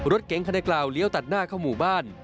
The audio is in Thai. รถเก๋งขนาดเกลาเลี้ยวตัดหน้าเข้ามู่บ้าน